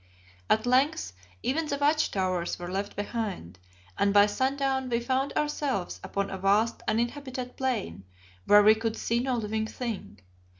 At length even the watch towers were left behind, and by sundown we found ourselves upon a vast uninhabited plain, where we could see no living thing.